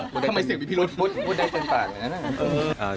ทำไมเสียงบิพิรุษบุ๊ดได้เติมตากันนะฮะ